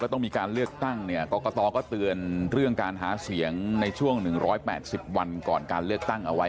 ต้องมีการเลือกตั้งเนี่ยกรกตก็เตือนเรื่องการหาเสียงในช่วง๑๘๐วันก่อนการเลือกตั้งเอาไว้